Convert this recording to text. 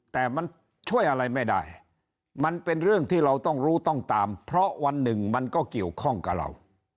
แต่มันช่วยอะไรไม่ได้มันเป็นเรื่องที่เราต้องรู้ต้องตามเพราะวันหนึ่งมันก็เกี่ยวข้องกับเรา